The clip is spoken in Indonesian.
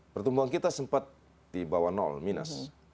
pertumbuhan kita sempat di bawah minus